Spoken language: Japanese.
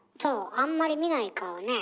あんまり見ない顔ねえ。